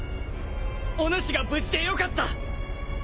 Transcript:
おぬしが無事でよかった。